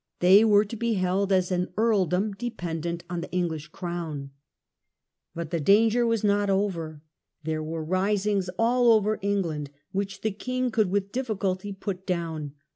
They were to be held as an earldom dependent on the English crown. But the danger was not yet over. There were risings all over England, which the king could with difficulty put down.